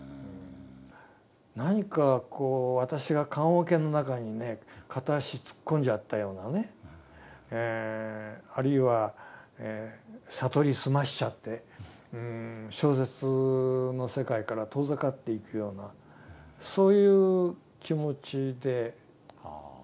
何かこう私が棺桶の中にね片足突っ込んじゃったようなねあるいは悟り澄ましちゃって小説の世界から遠ざかっていくようなそういう気持ちででしたね。